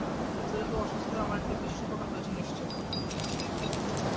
শরীর খুব অসুস্থ হয়ে আমার একটা বিশেষ উপকার হয়েছে, নিশ্চয়।